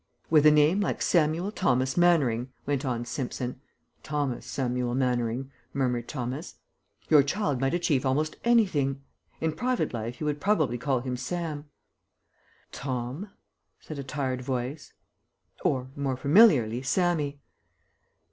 "With a name like Samuel Thomas Mannering," went on Simpson ["Thomas Samuel Mannering," murmured Thomas], "your child might achieve almost anything. In private life you would probably call him Sam." "Tom," said a tired voice. "Or, more familiarly, Sammy."